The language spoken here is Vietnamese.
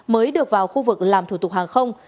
mới được vào khu vực làm thủ tục hàng không